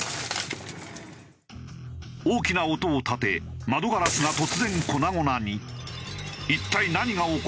大きな音を立て窓ガラスが突然粉々に。